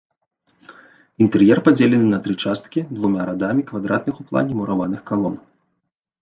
Інтэр'ер падзелены на тры часткі двума радамі квадратных у плане мураваных калон.